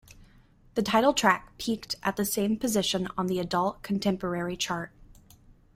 The title track peaked at the same position on the adult contemporary chart.